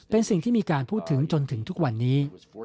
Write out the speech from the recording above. เป็นสิ่งที่มีการพูดถึงจนถึงทุกวันนี้